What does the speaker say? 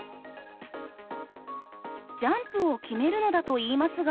ジャンプを決めるのだといいますが。